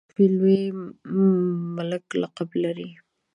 مستوفي لوی ملک لقب لري.